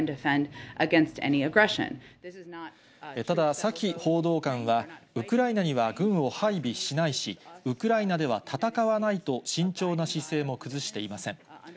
ただ、サキ報道官は、ウクライナには軍を配備しないし、ウクライナでは戦わないと、慎重な姿勢も崩していません。